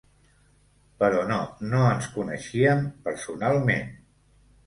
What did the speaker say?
Però no, no ens coneixíem personalment.